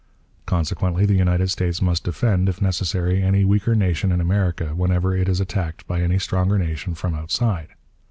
Consequently the United States must defend, if necessary, any weaker nation in America whenever it is attacked by any stronger nation from outside.